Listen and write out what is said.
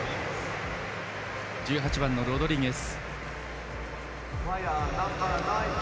１８番のロドリゲス。